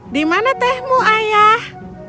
di mana tehmu ayah